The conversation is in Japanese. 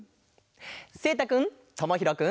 せいたくんともひろくん。